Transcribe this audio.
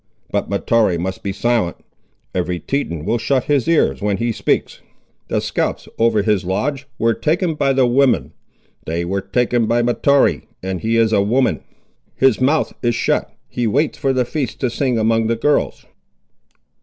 But Mahtoree must be silent. Every Teton will shut his ears when he speaks. The scalps over his lodge were taken by the women. They were taken by Mahtoree, and he is a woman. His mouth is shut; he waits for the feasts to sing among the girls!"